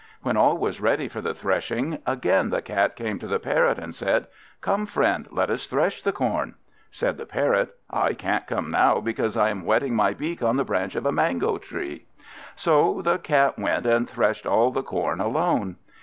When all was ready for the threshing, again the Cat came to the Parrot, and said "Come, friend, let us thresh the corn." Said the Parrot, "I can't come now, because I am whetting my beak on the branch of a mango tree." So the Cat went, and threshed all the corn alone.